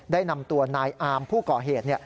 ได้นำตัวนายอามผู้ก่อเหตุ